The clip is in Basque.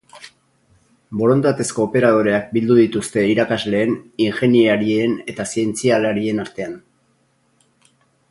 Borondatezko operadoreak bildu dituzte irakasleen, ingeniarien eta zientzialarien artean.